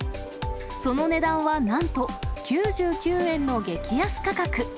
その値段はなんと９９円の激安価格。